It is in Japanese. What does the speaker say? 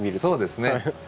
そうですね。